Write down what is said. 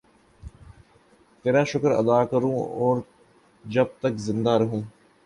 تیرا شکر ادا کروں اور جب تک زندہ رہوں